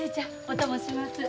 お供します。